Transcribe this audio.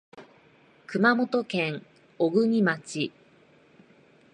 熊本県小国町